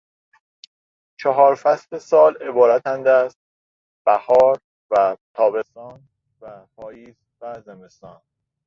چهار فصل سال عبارتند از: بهار و تابستان و پاییز و زمستان.